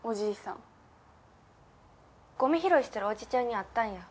ゴミ拾いしてるおじちゃんに会ったんや。